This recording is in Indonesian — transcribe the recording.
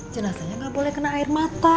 jenasanya gak boleh kena air mata